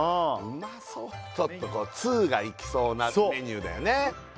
まそうちょっとこう通が行きそうなメニューだよね